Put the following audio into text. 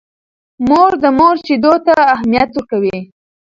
مور د مور شیدو ته اهمیت ورکوي.